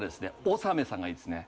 おさめさんがいいですね。